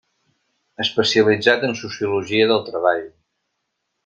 Especialitzat en Sociologia del Treball.